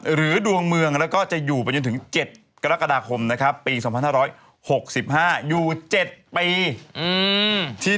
ดวงเมืองแล้วก็จะอยู่ไปจนถึง๗กรกฎาคมนะครับปี๒๕๖๕อยู่๗ปี